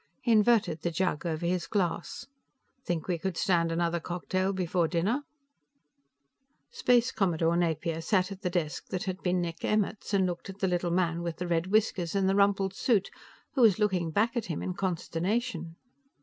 He inverted the jug over his glass. "Think we could stand another cocktail before dinner?" Space Commodore Napier sat at the desk that had been Nick Emmert's and looked at the little man with the red whiskers and the rumpled suit, who was looking back at him in consternation.